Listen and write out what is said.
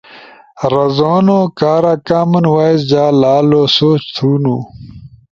رازونو کارا کامن وائس جا لالو سوچ تھونُو